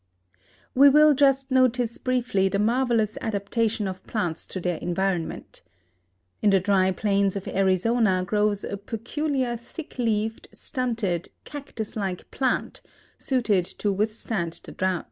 We will just notice briefly the marvelous adaptation of plants to their environment. In the dry plains of Arizona grows a peculiar thick leaved, stunted, cactus like plant, suited to withstand the drouth.